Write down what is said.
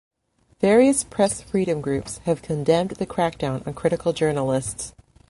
Various press freedom groups have condemned the crackdown on critical journalists.